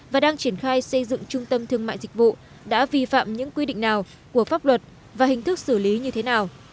và đang triển khai xây dựng trung tâm thương mại dịch vụ đã vi phạm những quy định nào của pháp luật và hình thức xử lý như thế nào